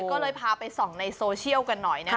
ก็เลยพาไปส่องในโซเชียลกันหน่อยนะครับ